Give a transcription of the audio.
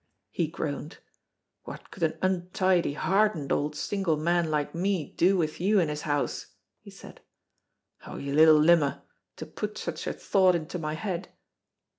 He groaned. "What could an untidy, hardened old single man like me do with you in his house?" he said. "Oh, you little limmer, to put such a thought into my head."